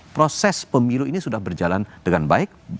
proses pemilu ini sudah berjalan dengan baik